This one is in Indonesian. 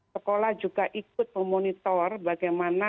sekolah juga ikut memonitor bagaimana